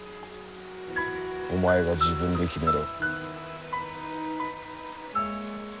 お前が自分で決めろ。